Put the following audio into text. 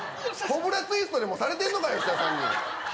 コブラツイストでもされてんのか、吉田さんに。